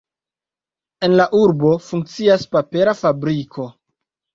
En la urbo funkcias papera fabriko.